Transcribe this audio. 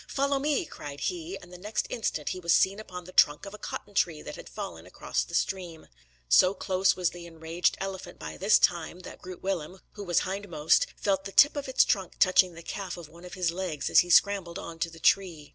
"Follow me," cried he, and the next instant he was seen upon the trunk of a cotton tree that had fallen across the stream. So close was the enraged elephant by this time, that Groot Willem, who was hindmost, felt the tip of its trunk touching the calf of one of his legs, as he scrambled on to the tree.